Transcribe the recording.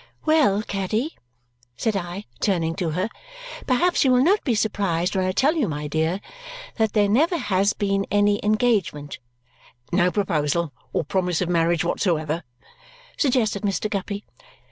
"Well, Caddy," said I, turning to her, "perhaps you will not be surprised when I tell you, my dear, that there never has been any engagement " "No proposal or promise of marriage whatsoever," suggested Mr. Guppy.